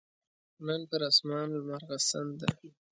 نن پر اسمان لمرغسن ده